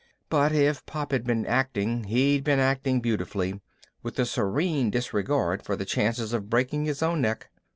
But if Pop had been acting he'd been acting beautifully, with a serene disregard for the chances of breaking his own neck.